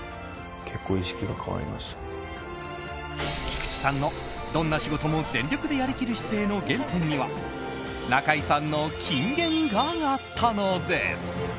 菊池さんの、どんな仕事も全力でやりきる姿勢の原点には中居さんの金言があったのです。